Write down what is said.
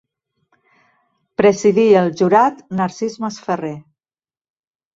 Presidí el jurat Narcís Masferrer.